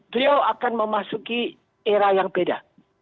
beliau akan memasuki era yang beda